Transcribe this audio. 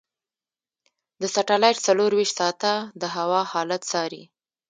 دا سټلایټ څلورویشت ساعته د هوا حالت څاري.